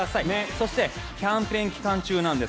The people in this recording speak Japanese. そしてキャンペーン期間中なんです。